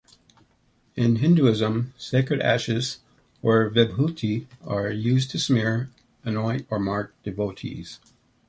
In Hinduism, sacred ashes or Vibhuti are used to smear, anoint or mark devotees.